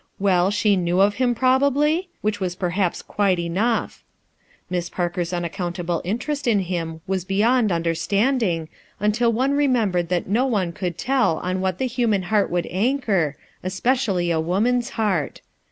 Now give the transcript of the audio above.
Well, she knew of him probably? which was perhaps quite enough. Miss Parker's unac countable interest in him was beyond under standing, until one remembered that no one could tell on what the human heart would an chor, especially a woman's heart.